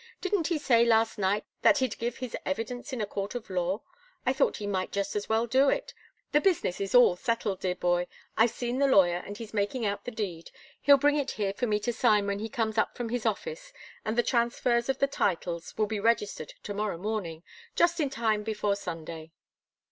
Didn't he say last night that he'd give his evidence in a court of law? I thought he might just as well do it. The business is all settled, dear boy. I've seen the lawyer, and he's making out the deed. He'll bring it here for me to sign when he comes up from his office, and the transfers of the titles will be registered to morrow morning just in time before Sunday."